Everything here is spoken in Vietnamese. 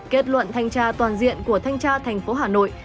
kết luận thanh tra toàn diện của thanh tra thành phố hà nội